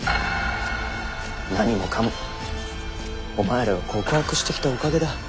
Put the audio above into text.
何もかもお前らが告白してきたおかげだ。